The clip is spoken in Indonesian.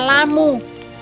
mereka akan menyebabkannya